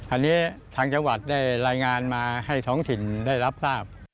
อันนี้ทางจังหวัดได้รายงานมาให้ท้องถิ่นได้รับทราบ